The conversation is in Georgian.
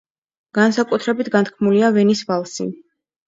განსაკუთრებით განთქმულია ვენის ვალსი.